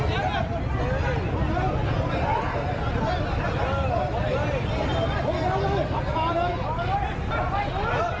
อย่าตายอย่าตาย